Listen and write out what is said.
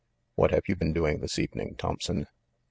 "What have you been doing this evening, Thomp son?"